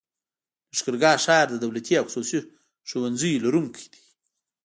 لښکرګاه ښار د دولتي او خصوصي ښوونځيو لرونکی دی.